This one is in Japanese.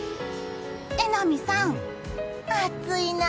榎並さん、暑いな。